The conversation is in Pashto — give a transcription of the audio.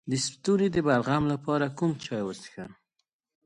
د ستوني د بلغم لپاره کوم چای وڅښم؟